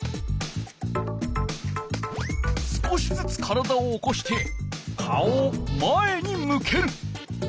少しずつ体を起こして顔を前に向ける。